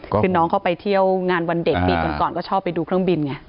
คือน้องเขาไปเที่ยวงานวันเด็กปีก่อนก็ชอบไปดูเครื่องบินไง